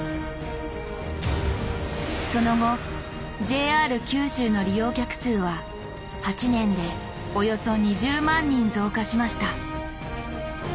その後ＪＲ九州の利用客数は８年でおよそ２０万人増加しました。